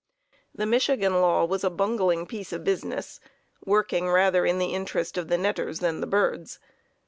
The Michigan law was a bungling piece of business, working rather in the interest of the netters than of the birds.